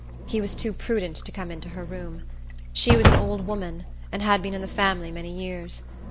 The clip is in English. He was too prudent to come into her room. She was an old woman, and had been in the family many years.